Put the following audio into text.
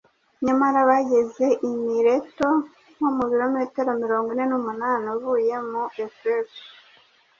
Nyamara bageze i Mileto nko mu birometero mirongo ine n’umunani uvuye mu Efeso,